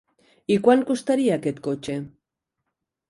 I quant costaria aquest cotxe?